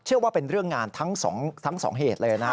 ว่าเป็นเรื่องงานทั้งสองเหตุเลยนะฮะ